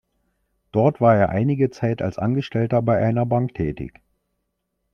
Dort war er einige Zeit als Angestellter bei einer Bank tätig.